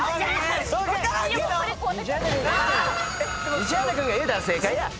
西畑君が言うたら正解や。